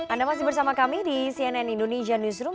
anda masih bersama kami di cnn indonesia newsroom